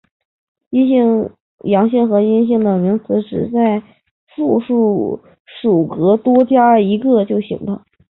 阳性和阴性的名词只要在复数属格多加一个就行了。